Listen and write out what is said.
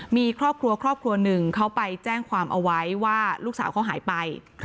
มีครอบครัวครอบครัวหนึ่งเขาไปแจ้งความเอาไว้ว่าลูกสาวเขาหายไป